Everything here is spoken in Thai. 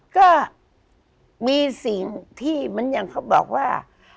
ก็มีสิ่งที่มันยังเขาบอกว่า